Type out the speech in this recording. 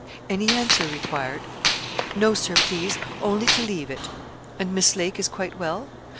'Any answer required?' 'No, Sir, please only to leave it.' 'And Miss Lake is quite well?'